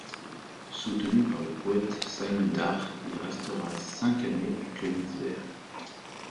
Soutenu par le poète Simon Dach, il restera cinq années à Königsberg.